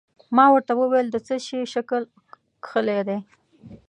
ما ورته وویل: د څه شي شکل کښلی دی؟